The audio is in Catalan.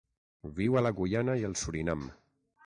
Viu a la Guyana i el Surinam.